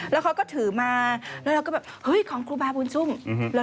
แล้วเขาก็ถือมาแล้วเราก็แบบเฮ้ยของครูบาบุญชุ่ม